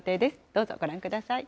どうぞご覧ください。